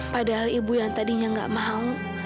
padahal ibu yang tadinya nggak mau